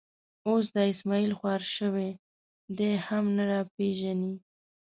اوس دا اسمعیل خوار شوی، دی هم نه را پېژني.